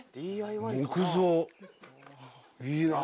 木造いいな。